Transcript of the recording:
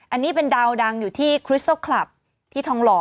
อันนี้เป็นดาวดังอยู่ที่คริสเตอร์คลับที่ทองหล่อ